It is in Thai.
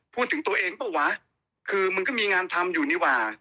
พูดถึงตัวเองเปล่าวะคือมึงก็มีงานทำอยู่นี่ว่า